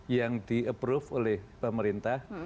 yang di approve oleh pemerintah